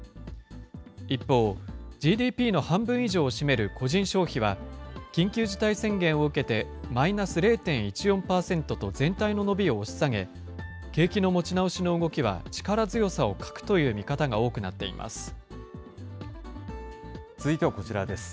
一方、ＧＤＰの半分以上を占める個人消費は、緊急事態宣言を受けて、マイナス０．１４％と全体の伸びを押し下げ、景気の持ち直しの動きは力強さを欠くという見方が多くなっていま続いてはこちらです。